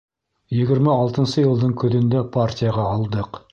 Егерме алтынсы йылдың көҙөндә партияға алдыҡ.